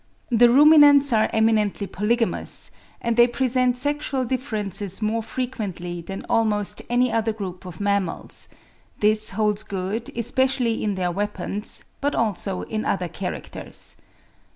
The ruminants are eminently polygamous, and they present sexual differences more frequently than almost any other group of mammals; this holds good, especially in their weapons, but also in other characters.